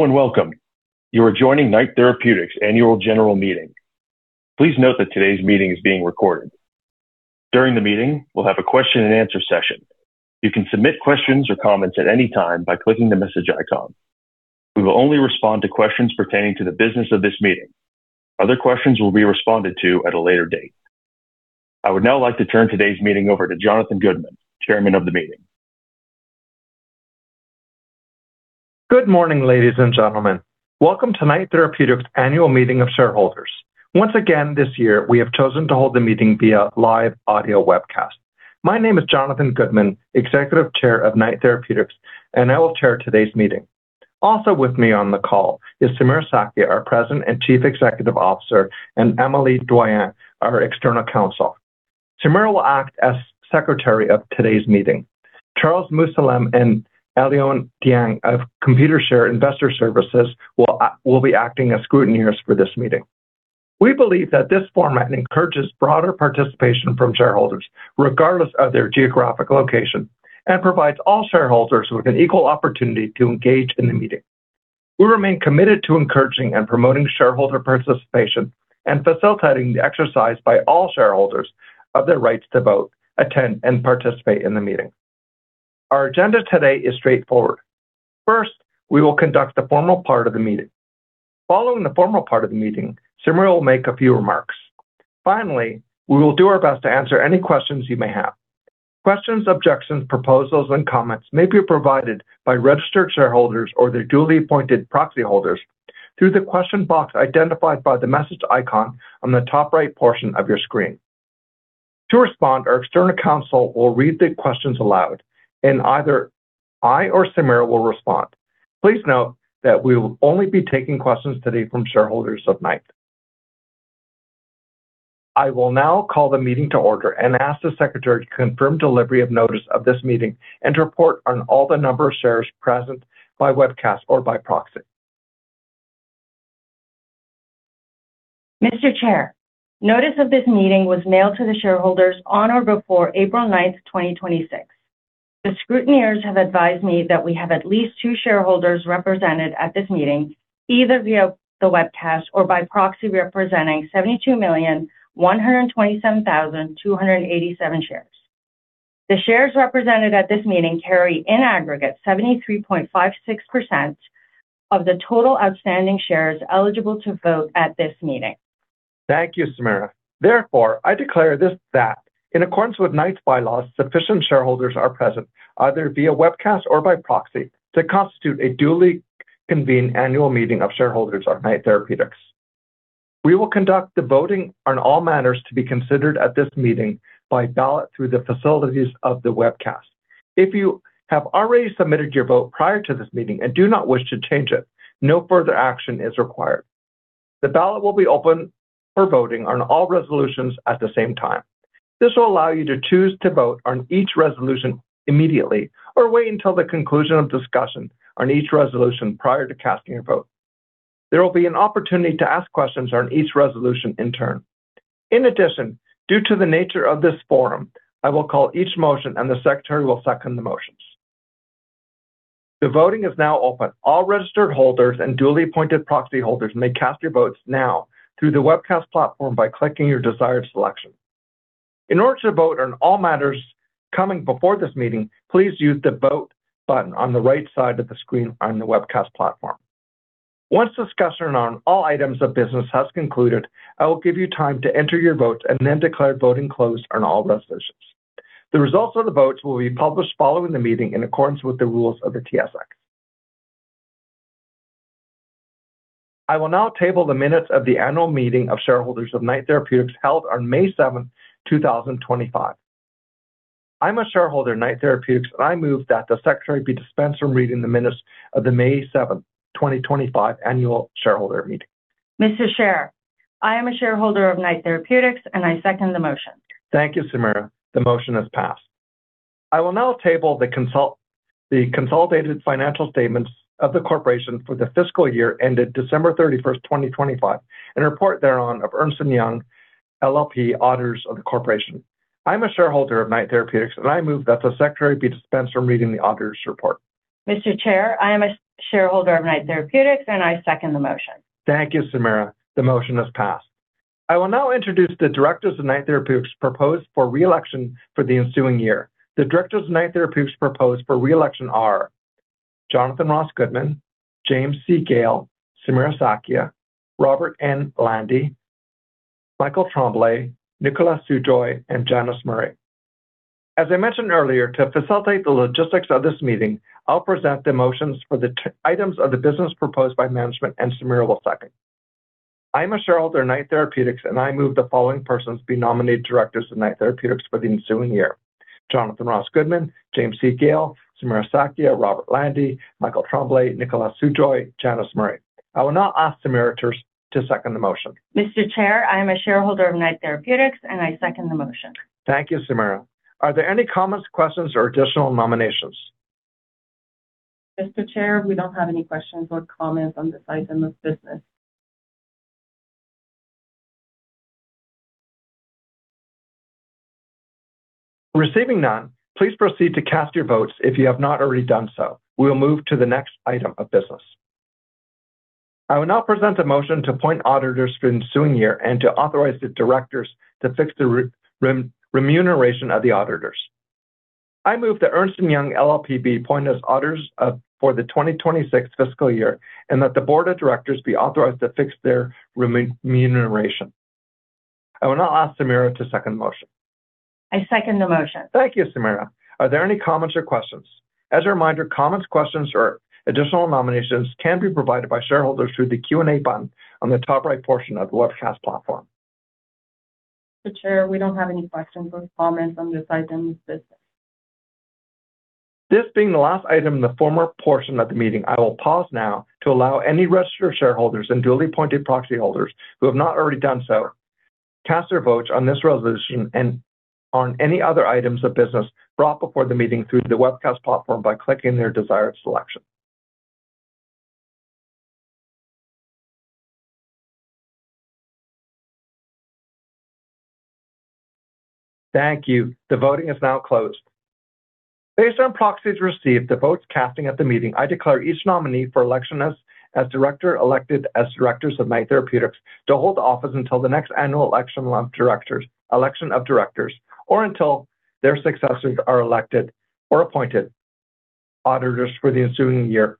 Hello and welcome. You are joining Knight Therapeutics Annual General Meeting. Please note that today's meeting is being recorded. During the meeting, we'll have a question and answer session. You can submit questions or comments at any time by clicking the message icon. We will only respond to questions pertaining to the business of this meeting. Other questions will be responded to at a later date. I would now like to turn today's meeting over to Jonathan Goodman, chairman of the meeting. Good morning, ladies and gentlemen. Welcome to Knight Therapeutics Annual Meeting of Shareholders. Once again, this year, we have chosen to hold the meeting via live audio webcast. My name is Jonathan Goodman, Executive Chair of Knight Therapeutics, and I will chair today's meeting. Also with me on the call is Samira Sakhia, our President and Chief Executive Officer, and Amélie Doyon, our external counsel. Samira will act as secretary of today's meeting. Charles Moussalem and Alain Dion of Computershare Investor Services will be acting as scrutineers for this meeting. We believe that this format encourages broader participation from shareholders, regardless of their geographic location, and provides all shareholders with an equal opportunity to engage in the meeting. We remain committed to encouraging and promoting shareholder participation and facilitating the exercise by all shareholders of their rights to vote, attend, and participate in the meeting. Our agenda today is straightforward. First, we will conduct the formal part of the meeting. Following the formal part of the meeting, Samira will make a few remarks. Finally, we will do our best to answer any questions you may have. Questions, objections, proposals, and comments may be provided by registered shareholders or their duly appointed proxy holders through the question box identified by the message icon on the top right portion of your screen. To respond, our external counsel will read the questions aloud, and either I or Samira will respond. Please note that we will only be taking questions today from shareholders of Knight. I will now call the meeting to order and ask the secretary to confirm delivery of notice of this meeting and to report on all the number of shares present by webcast or by proxy. Mr. Chair, notice of this meeting was mailed to the shareholders on or before April 9, 2026. The scrutineers have advised me that we have at least two shareholders represented at this meeting, either via the webcast or by proxy, representing 72,127,287 shares. The shares represented at this meeting carry in aggregate 73.56% of the total outstanding shares eligible to vote at this meeting. Thank you, Samira. Therefore, I declare this that in accordance with Knight's bylaws, sufficient shareholders are present, either via webcast or by proxy, to constitute a duly convened annual meeting of shareholders of Knight Therapeutics. We will conduct the voting on all matters to be considered at this meeting by ballot through the facilities of the webcast. If you have already submitted your vote prior to this meeting and do not wish to change it, no further action is required. The ballot will be open for voting on all resolutions at the same time. This will allow you to choose to vote on each resolution immediately or wait until the conclusion of discussion on each resolution prior to casting your vote. There will be an opportunity to ask questions on each resolution in turn. In addition, due to the nature of this forum, I will call each motion, and the secretary will second the motions. The voting is now open. All registered holders and duly appointed proxy holders may cast your votes now through the webcast platform by clicking your desired selection. In order to vote on all matters coming before this meeting, please use the Vote button on the right side of the screen on the webcast platform. Once discussion on all items of business has concluded, I will give you time to enter your votes and then declare voting closed on all resolutions. The results of the votes will be published following the meeting in accordance with the rules of the TSX. I will now table the minutes of the annual meeting of shareholders of Knight Therapeutics held on May 7th, 2025. I'm a shareholder of Knight Therapeutics, and I move that the secretary be dispensed from reading the minutes of the May 7th, 2025 annual shareholder meeting. Mr. Chair, I am a shareholder of Knight Therapeutics, and I second the motion. Thank you, Samira. The motion has passed. I will now table the consolidated financial statements of the corporation for the fiscal year ended December 31st, 2025, and report thereon of Ernst & Young LLP, auditors of the corporation. I'm a shareholder of Knight Therapeutics. I move that the secretary be dispensed from reading the auditor's report. Mr. Chair, I am a shareholder of Knight Therapeutics, and I second the motion. Thank you, Samira. The motion has passed. I will now introduce the directors of Knight Therapeutics proposed for reelection for the ensuing year. The directors of Knight Therapeutics proposed for reelection are Jonathan Ross Goodman, James C. Gale, Samira Sakhia, Robert N. Lande, Michael Tremblay, Nicolás Sujoy, and Janice Murray. As I mentioned earlier, to facilitate the logistics of this meeting, I'll present the motions for the items of the business proposed by management, and Samira will second. I am a shareholder of Knight Therapeutics, and I move the following persons be nominated directors of Knight Therapeutics for the ensuing year. Jonathan Ross Goodman, James C. Gale, Samira Sakhia, Robert Lande, Michael Tremblay, Nicolás Sujoy, Janice Murray. I will now ask Samira to second the motion. Mr. Chair, I am a shareholder of Knight Therapeutics, and I second the motion. Thank you, Samira. Are there any comments, questions, or additional nominations? Mr. Chair, we don't have any questions or comments on this item of business. Receiving none, please proceed to cast your votes if you have not already done so. We will move to the next item of business. I will now present a motion to appoint auditors for ensuing year and to authorize the directors to fix the remuneration of the auditors. I move that Ernst & Young LLP be appointed as auditors for the 2026 fiscal year, and that the board of directors be authorized to fix their remuneration. I will now ask Samira to second the motion. I second the motion. Thank you, Samira. Are there any comments or questions? As a reminder, comments, questions or additional nominations can be provided by shareholders through the Q&A button on the top right portion of the webcast platform. Mr. Chair, we don't have any questions or comments on this item. This being the last item in the former portion of the meeting, I will pause now to allow any registered shareholders and duly appointed proxy holders who have not already done so, cast their votes on this resolution and on any other items of business brought before the meeting through the webcast platform by clicking their desired selection. Thank you. The voting is now closed. Based on proxies received, the votes casting at the meeting, I declare each nominee for election as director elected as directors of Knight Therapeutics to hold office until the next annual election of directors, or until their successors are elected or appointed auditors for the ensuing year.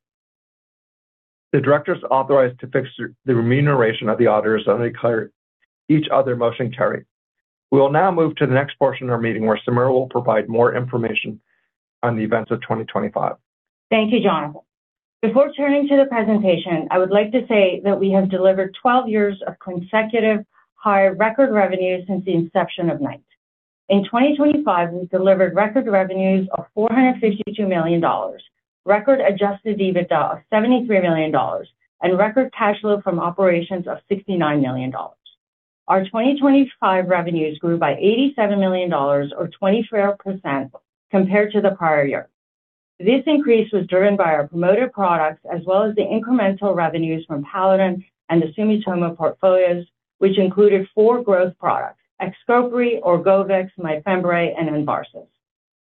The directors authorized to fix the remuneration of the auditors are declared each other motion carried. We will now move to the next portion of our meeting, where Samira will provide more information on the events of 2025. Thank you, Jonathan. Before turning to the presentation, I would like to say that we have delivered 12 years of consecutive higher record revenue since the inception of Knight. In 2025, we delivered record revenues of 452 million dollars, record adjusted EBITDA of 73 million dollars, and record cash flow from operations of 69 million dollars. Our 2025 revenues grew by 87 million dollars or 24% compared to the prior year. This increase was driven by our promoter products as well as the incremental revenues from Paladin and the Sumitomo portfolios, which included four growth products: XCOPRI, ORGOVYX, MYFEMBREE, and Envarsus.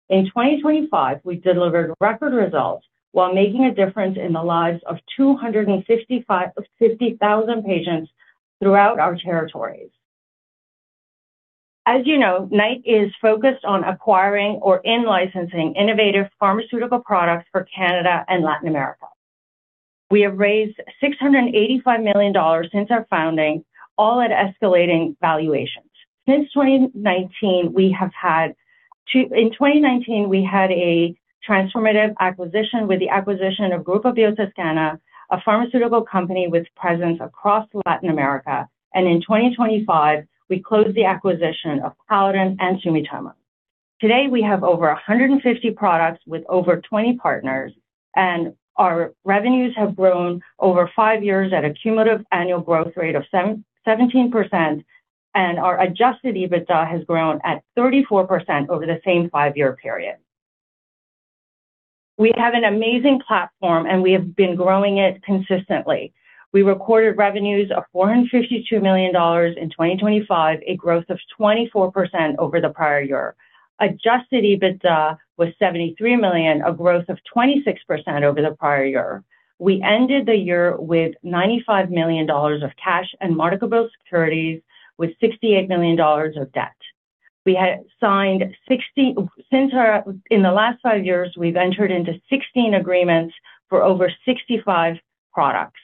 In 2025, we delivered record results while making a difference in the lives of 250,000 patients throughout our territories. As you know, Knight is focused on acquiring or in-licensing innovative pharmaceutical products for Canada and Latin America. We have raised 685 million dollars since our founding, all at escalating valuations. In 2019, we had a transformative acquisition with the acquisition of Grupo Biotoscana, a pharmaceutical company with presence across Latin America. In 2025, we closed the acquisition of Paladin and Sumitomo. Today, we have over 150 products with over 20 partners, and our revenues have grown over five years at a cumulative annual growth rate of 17%, and our adjusted EBITDA has grown at 34% over the same five-year period. We have an amazing platform, and we have been growing it consistently. We recorded revenues of 452 million dollars in 2025, a growth of 24% over the prior year. Adjusted EBITDA was 73 million, a growth of 26% over the prior year. We ended the year with CAD 95 million of cash and marketable securities with CAD 68 million of debt. In the last five years, we've entered into 16 agreements for over 65 products.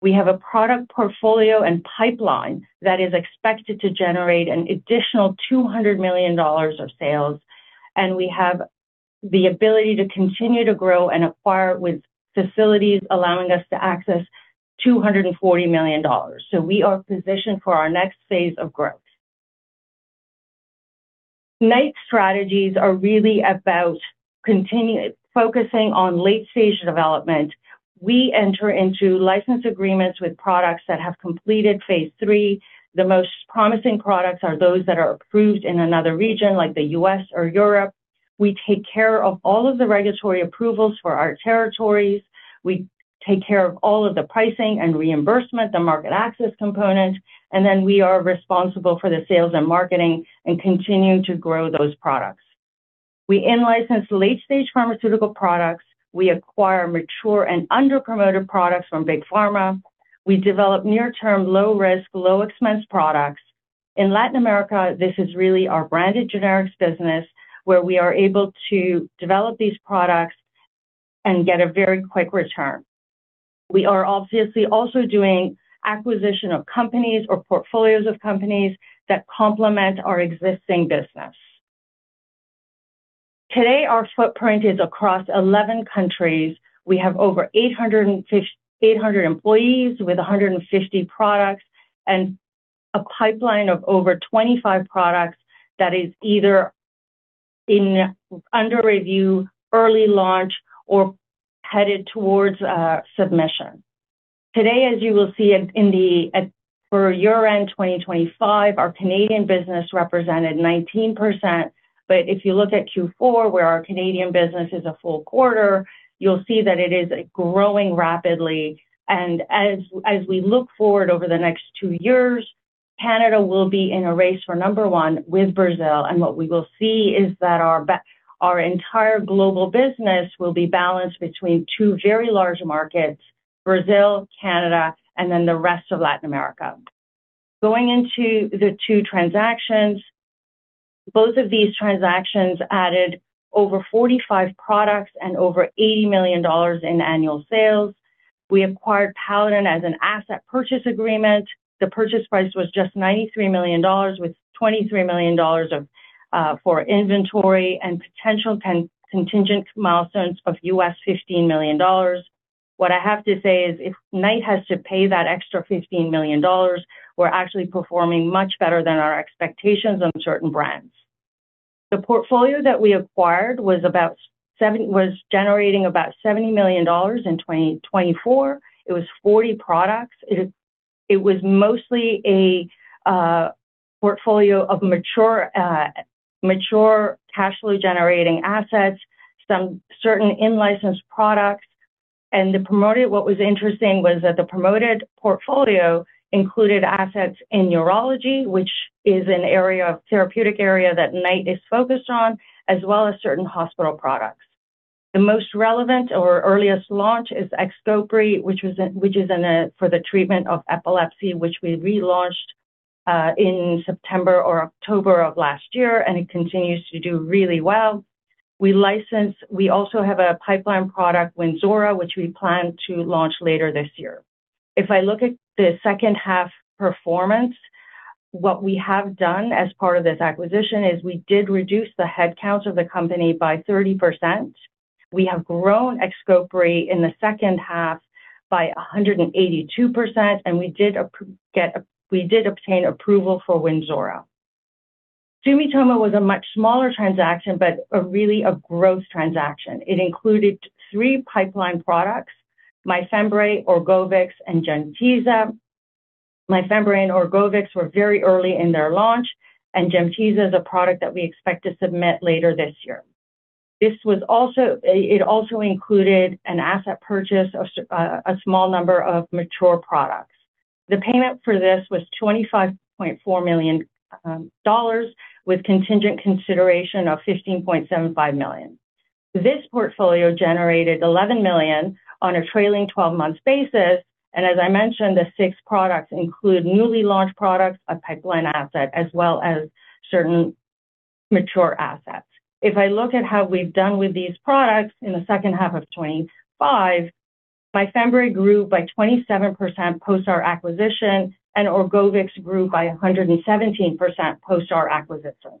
We have a product portfolio and pipeline that is expected to generate an additional 200 million dollars of sales, and we have the ability to continue to grow and acquire with facilities allowing us to access 240 million dollars. We are positioned for our next phase of growth. Knight's strategies are really about focusing on late-stage development. We enter into license agreements with products that have completed phase III. The most promising products are those that are approved in another region, like the U.S. or Europe. We take care of all of the regulatory approvals for our territories. We take care of all of the pricing and reimbursement, the market access component, and then we are responsible for the sales and marketing and continue to grow those products. We in-license late-stage pharmaceutical products. We acquire mature and underpromoted products from Big Pharma. We develop near-term, low-risk, low-expense products. In Latin America, this is really our branded generics business, where we are able to develop these products and get a very quick return. We are obviously also doing acquisition of companies or portfolios of companies that complement our existing business. Today, our footprint is across 11 countries. We have over 800 employees with 150 products and a pipeline of over 25 products that is either in under review, early launch, or headed towards submission. Today, as you will see in the for year-end 2025, our Canadian business represented 19%. If you look at Q4, where our Canadian business is a full quarter, you'll see that it is growing rapidly. As we look forward over the next two years, Canada will be in a race for number one with Brazil, and what we will see is that our entire global business will be balanced between two very large markets, Brazil, Canada, and then the rest of Latin America. Going into the two transactions, both of these transactions added over 45 products and over 80 million dollars in annual sales. We acquired Paladin as an asset purchase agreement. The purchase price was just 93 million dollars with 23 million dollars for inventory and potential contingent milestones of $15 million. What I have to say is if Knight has to pay that extra 15 million dollars, we're actually performing much better than our expectations on certain brands. The portfolio that we acquired was generating about 70 million dollars in 2024. It was 40 products. It was mostly a portfolio of mature cash flow generating assets, some certain in-licensed products. What was interesting was that the promoted portfolio included assets in neurology, which is an area of therapeutic area that Knight is focused on, as well as certain hospital products. The most relevant or earliest launch is XCOPRI, which is for the treatment of epilepsy, which we relaunched in September or October of last year, and it continues to do really well. We also have a pipeline product, WYNZORA, which we plan to launch later this year. If I look at the second half performance, what we have done as part of this acquisition is we did reduce the headcount of the company by 30%. We have grown XCOPRI in the second half by 182%, and we did obtain approval for WYNZORA. Sumitomo was a much smaller transaction, but a really a gross transaction. It included three pipeline products, MYFEMBREE, ORGOVYX, and GEMTESA. MYFEMBREE and ORGOVYX were very early in their launch, and GEMTESA is a product that we expect to submit later this year. This was also, it also included an asset purchase of a small number of mature products. The payment for this was 25.4 million dollars with contingent consideration of 15.75 million. This portfolio generated 11 million on a trailing twelve month basis, and as I mentioned, the six products include newly launched products, a pipeline asset, as well as certain mature assets. If I look at how we've done with these products in the second half of 2025, MYFEMBREE grew by 27% post our acquisition, and ORGOVYX grew by 117% post our acquisition.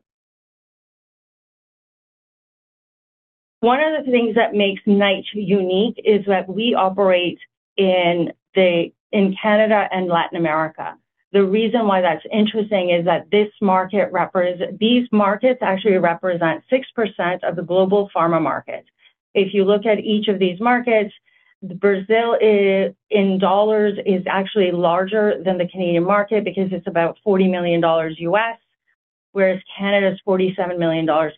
One of the things that makes Knight unique is that we operate in the, in Canada and Latin America. The reason why that's interesting is that this market these markets actually represent 6% of the global pharma market. If you look at each of these markets, Brazil in dollars is actually larger than the Canadian market because it's about $40 million, whereas Canada's 47 million dollars.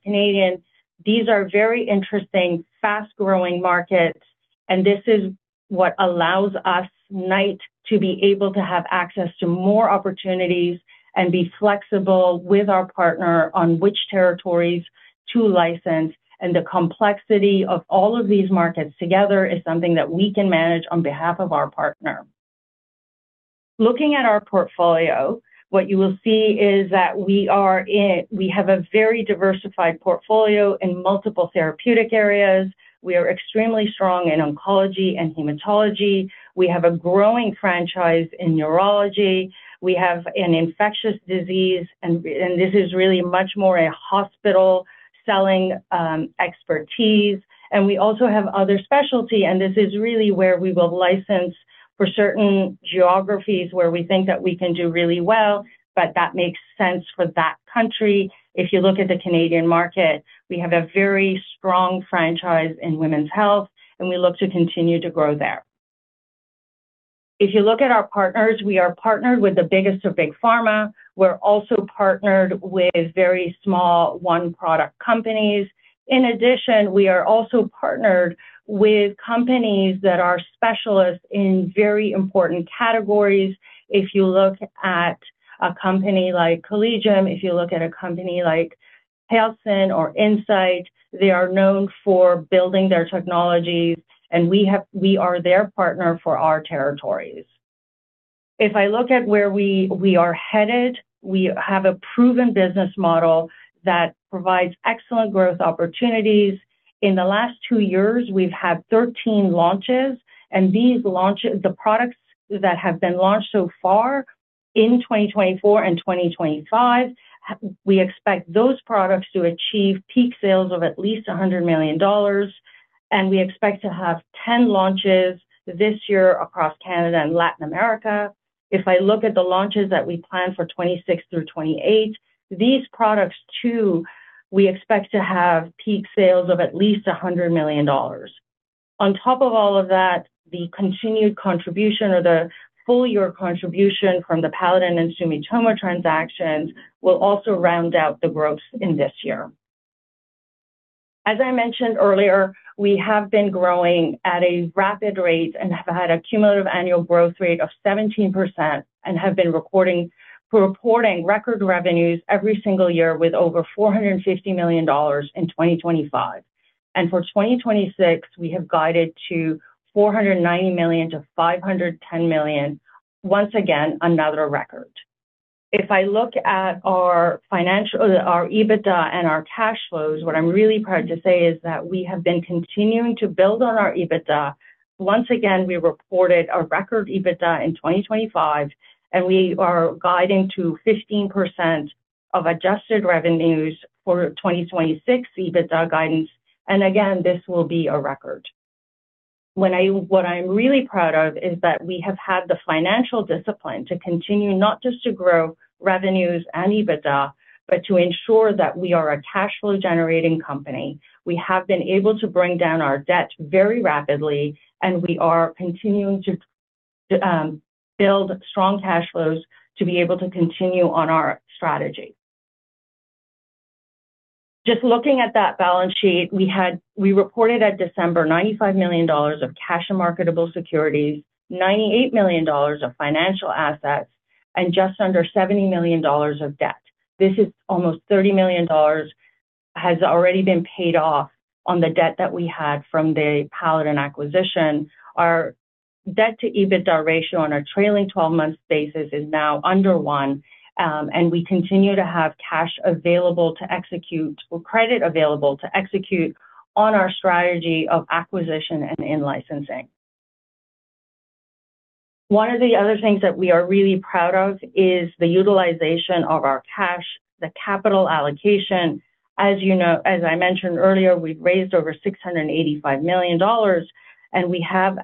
These are very interesting, fast-growing markets. This is what allows us, Knight, to be able to have access to more opportunities and be flexible with our partner on which territories to license and the complexity of all of these markets together is something that we can manage on behalf of our partner. Looking at our portfolio, what you will see is that we have a very diversified portfolio in multiple therapeutic areas. We are extremely strong in oncology and hematology. We have a growing franchise in neurology. We have an infectious disease, and this is really much more a hospital selling expertise. We also have other specialty, and this is really where we will license for certain geographies where we think that we can do really well, but that makes sense for that country. If you look at the Canadian market, we have a very strong franchise in women's health, and we look to continue to grow there. If you look at our partners, we are partnered with the biggest of Big Pharma. We're also partnered with very small one-product companies. In addition, we are also partnered with companies that are specialists in very important categories. If you look at a company like Collegium, if you look at a company like Paladin or Incyte, they are known for building their technologies, and we are their partner for our territories. If I look at where we are headed, we have a proven business model that provides excellent growth opportunities. In the last two years, we've had 13 launches. These launches, the products that have been launched so far in 2024 and 2025, we expect those products to achieve peak sales of at least 100 million dollars. We expect to have 10 launches this year across Canada and Latin America. If I look at the launches that we plan for 2026 through 2028, these products too, we expect to have peak sales of at least 100 million dollars. On top of all of that, the continued contribution or the full year contribution from the Paladin and Sumitomo transactions will also round out the growth in this year. As I mentioned earlier, we have been growing at a rapid rate and have had a cumulative annual growth rate of 17% and have been reporting record revenues every single year with over 450 million dollars in 2025. For 2026, we have guided to 490 million-510 million. Once again, another record. If I look at our our EBITDA and our cash flows, what I'm really proud to say is that we have been continuing to build on our EBITDA. Once again, we reported a record EBITDA in 2025, and we are guiding to 15% of adjusted revenues for 2026 EBITDA guidance. Again, this will be a record. What I'm really proud of is that we have had the financial discipline to continue not just to grow revenues and EBITDA, but to ensure that we are a cash flow generating company. We have been able to bring down our debt very rapidly, and we are continuing to build strong cash flows to be able to continue on our strategy. Just looking at that balance sheet, we reported at December 95 million dollars of cash and marketable securities, 98 million dollars of financial assets, and just under 70 million dollars of debt. This is almost 30 million dollars has already been paid off on the debt that we had from the Paladin acquisition. Our debt-to-EBITDA ratio on our trailing 12 months basis is now under one. We continue to have cash available to execute or credit available to execute on our strategy of acquisition and in-licensing. One of the other things that we are really proud of is the utilization of our cash, the capital allocation. As I mentioned earlier, we've raised over 685 million dollars. We have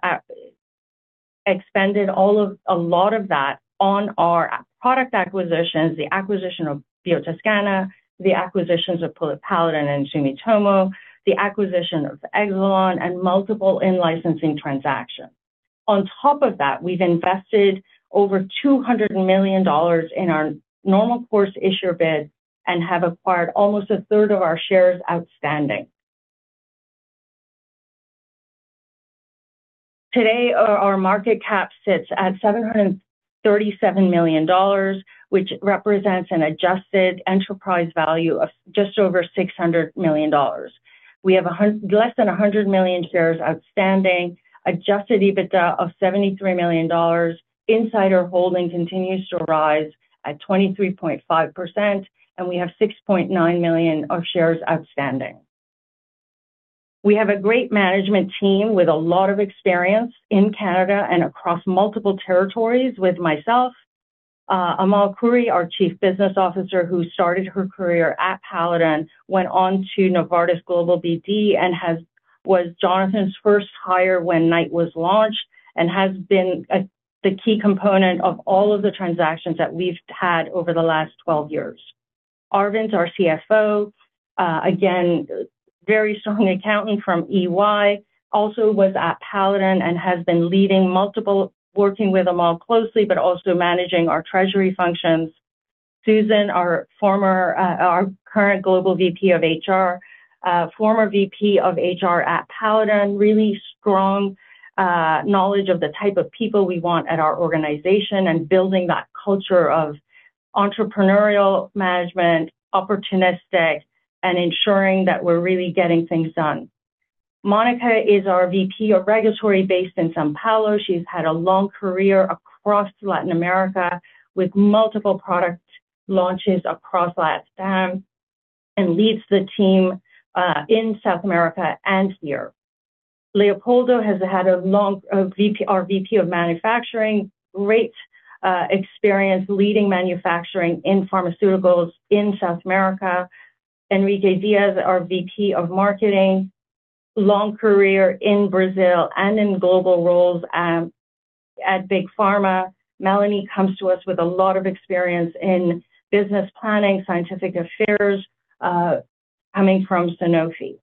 expended a lot of that on our product acquisitions, the acquisition of Biotoscana, the acquisitions of Paladin and Sumitomo, the acquisition of Exelon, and multiple in-licensing transactions. On top of that, we've invested over 200 million dollars in our NCIB and have acquired almost a third of our shares outstanding. Today, our market cap sits at 737 million dollars, which represents an adjusted enterprise value of just over 600 million dollars. We have less than 100 million shares outstanding, adjusted EBITDA of 73 million dollars. Insider holding continues to rise at 23.5%. We have 6.9 million of shares outstanding. We have a great management team with a lot of experience in Canada and across multiple territories with myself, Amal Khouri, our Chief Business Officer, who started her career at Paladin, went on to Novartis Global BD, was Jonathan's first hire when Knight was launched and has been the key component of all of the transactions that we've had over the last 12 years. Arvind, our CFO, again, very strong accountant from EY, also was at Paladin and has been leading multiple working with Amal closely, but also managing our treasury functions. Susan, our former, our current Global VP of HR, former VP of HR at Paladin, really strong knowledge of the type of people we want at our organization and building that culture of entrepreneurial management, opportunistic, and ensuring that we're really getting things done. Monica is our VP of Regulatory based in São Paulo. She's had a long career across Latin America with multiple product launches across LatAm and leads the team in South America and here. Leopoldo has had our VP of Manufacturing, great experience leading manufacturing in pharmaceuticals in South America. Henrique Dias, our VP of Marketing, long career in Brazil and in global roles at Big Pharma. Melanie comes to us with a lot of experience in business planning, scientific affairs, coming from Sanofi.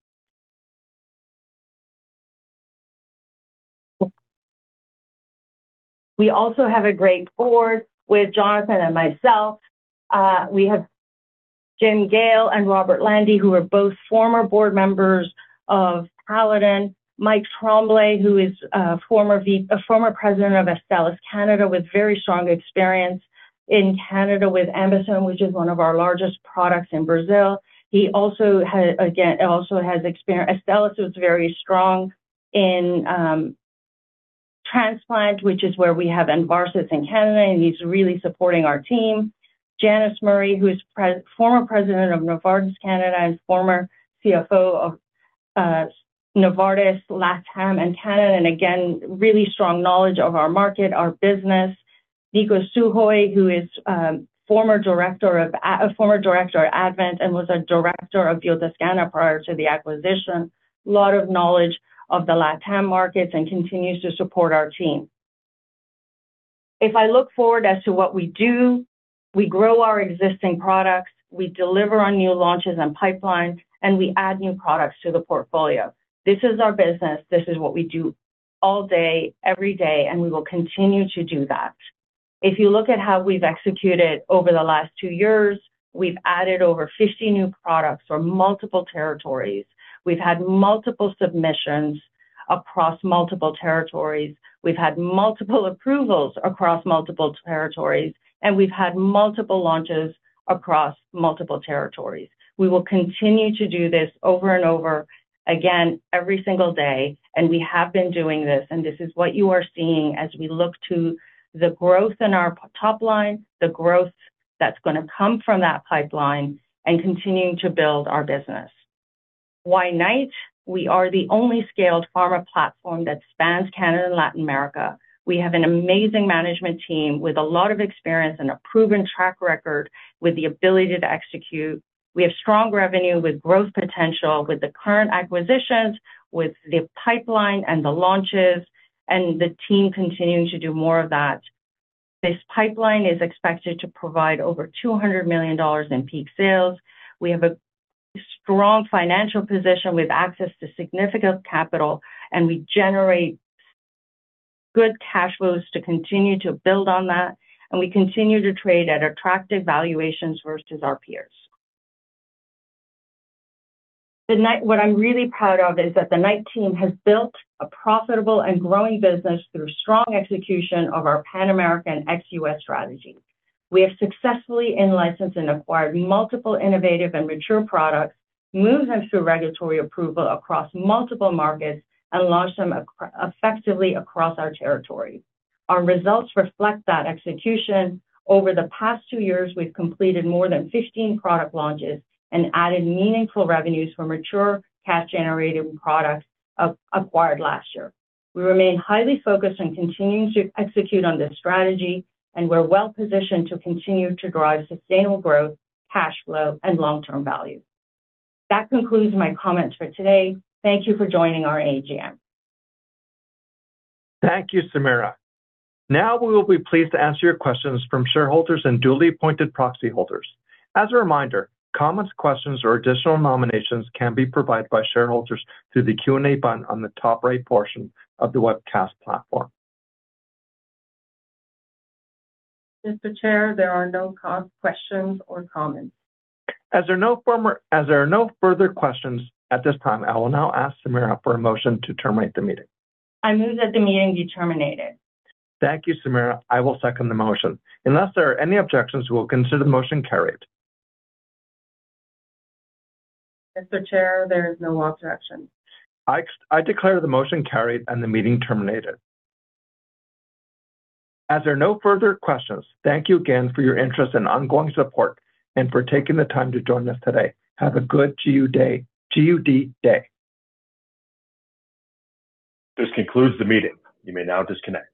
We also have a great board with Jonathan and myself. We have Jim Gale and Robert Lande, who are both former board members of Paladin. Mike Tremblay, who is a former president of Astellas, Canada, with very strong experience in Canada with AmBisome, which is one of our largest products in Brazil. He also has experience Astellas was very strong in transplant, which is where we have Envarsus in Canada, and he's really supporting our team. Janice Murray, who is former president of Novartis Canada and former CFO of Novartis LatAm and Canada, again, really strong knowledge of our market, our business. Nicolás Sujoy, who is former director of former director at Advent and was a director of Biotoscana prior to the acquisition. Lot of knowledge of the LatAm markets and continues to support our team. If I look forward as to what we do, we grow our existing products, we deliver on new launches and pipelines, and we add new products to the portfolio. This is our business. This is what we do all day, every day, and we will continue to do that. If you look at how we've executed over the last two years, we've added over 50 new products for multiple territories. We've had multiple submissions across multiple territories. We've had multiple approvals across multiple territories, and we've had multiple launches across multiple territories. We will continue to do this over and over again every single day, and we have been doing this, and this is what you are seeing as we look to the growth in our top line, the growth that's gonna come from that pipeline and continuing to build our business. Why Knight? We are the only scaled pharma platform that spans Canada and Latin America. We have an amazing management team with a lot of experience and a proven track record with the ability to execute. We have strong revenue with growth potential with the current acquisitions, with the pipeline and the launches and the team continuing to do more of that. This pipeline is expected to provide over 200 million dollars in peak sales. We have a strong financial position with access to significant capital, and we generate good cash flows to continue to build on that, and we continue to trade at attractive valuations versus our peers. What I'm really proud of is that the Knight team has built a profitable and growing business through strong execution of our Pan-American ex-U.S. strategy. We have successfully in-licensed and acquired multiple innovative and mature products, moved them through regulatory approval across multiple markets, and launched them effectively across our territories. Our results reflect that execution. Over the past two years, we've completed more than 15 product launches and added meaningful revenues for mature cash-generating products acquired last year. We remain highly focused on continuing to execute on this strategy, and we're well positioned to continue to drive sustainable growth, cash flow, and long-term value. That concludes my comments for today. Thank you for joining our AGM. Thank you, Samira. We will be pleased to answer your questions from shareholders and duly appointed proxy holders. As a reminder, comments, questions, or additional nominations can be provided by shareholders through the Q&A button on the top right portion of the webcast platform. Mr. Chair, there are no questions or comments. As there are no further questions at this time, I will now ask Samira for a motion to terminate the meeting. I move that the meeting be terminated. Thank you, Samira. I will second the motion. Unless there are any objections, we will consider the motion carried. Mr. Chair, there is no objection. I declare the motion carried and the meeting terminated. As there are no further questions, thank you again for your interest and ongoing support and for taking the time to join us today. Have a good day, good day. This concludes the meeting. You may now disconnect.